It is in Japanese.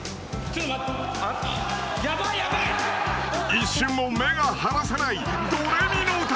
［一瞬も目が離せない『ドレミのうた』］